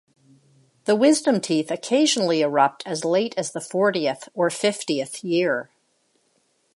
The wisdom teeth occasionally erupt as late as the fortieth or fiftieth year.